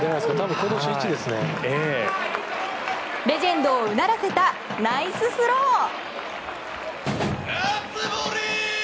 レジェンドをうならせたナイススロー！